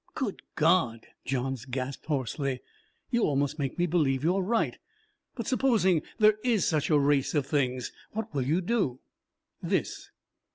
"Good God!" Johns gasped hoarsely. "You almost make me believe you are right. But, supposing there is such a race of things what will you do?" "This."